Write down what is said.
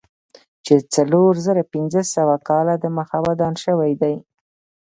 چې څلور زره پنځه سوه کاله دمخه ودان شوی دی.